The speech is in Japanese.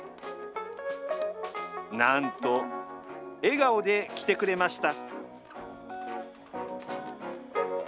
なんと笑顔で着てくれました。